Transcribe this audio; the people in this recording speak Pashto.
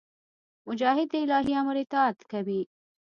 مجاهد د الهي امر اطاعت کوي.